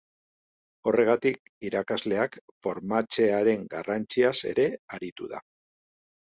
Horregatik, irakasleak formatzearen garrantziaz ere aritu da.